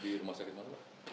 di rumah sakit mana